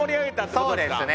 そうですね。